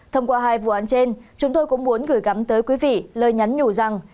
thông qua hai vụ án trên chúng tôi cũng muốn gửi gắm tới quý vị lời nhắn nhủ rằng